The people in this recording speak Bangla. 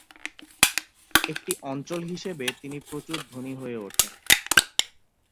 একটি অঞ্চল হিসেবে তিনি প্রচুর ধনী হয়ে ওঠেন।